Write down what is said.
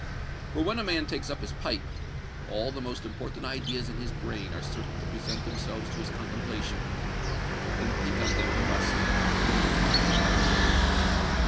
For when a man takes up his pipe, all the most important ideas in his brain are certain to present themselves to his contemplation; and think on them he must, willing or unwilling.